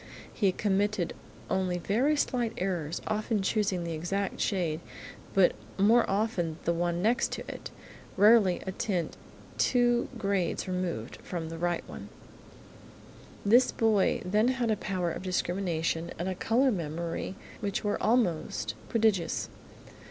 He committed only very slight errors, often choosing the exact shade but more often the one next it, rarely a tint two grades removed from the right one. This boy had then a power of discrimination and a colour memory which were almost prodigious.